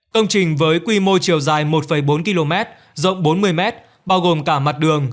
công trình với quy mô chiều dài một bốn km rộng bốn mươi m bao gồm cả mặt đường